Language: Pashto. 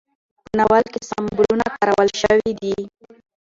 په ناول کې سمبولونه کارول شوي دي.